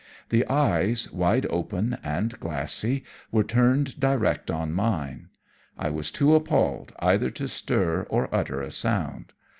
The eyes, wide open and glassy, were turned direct on mine. I was too appalled either to stir or utter a sound.